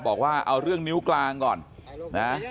บอกว่าเอาเรื่องนิ้วกลางก่อนนะ